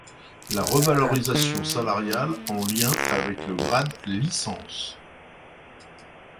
La revalorisation salariale en lien avec le grade licence.